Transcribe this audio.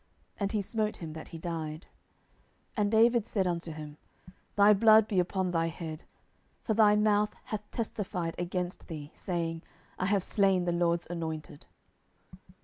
And he smote him that he died. 10:001:016 And David said unto him, Thy blood be upon thy head; for thy mouth hath testified against thee, saying, I have slain the LORD's anointed.